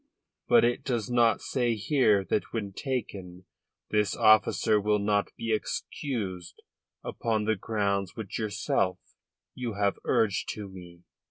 But it does not say here that when taken this officer will not be excused upon the grounds which yourself you have urged to me."